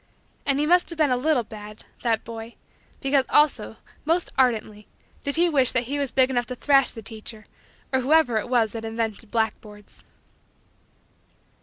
And he must have been a little had that boy because also, most ardently, did he wish that he was big enough to thrash the teacher or whoever it was that invented blackboards.